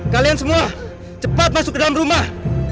kalian semua cepat masuk ke dalam rumah